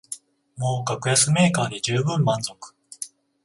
もう格安メーカーでじゅうぶん満足